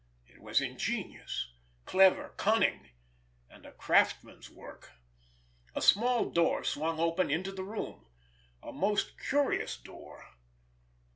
It was ingenious, clever, cunning—and a craftsman's work. A small door swung open into the room—a most curious door!